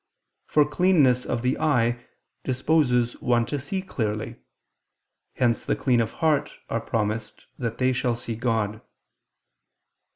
For cleanness of the eye disposes one to see clearly: hence the clean of heart are promised that they shall see God.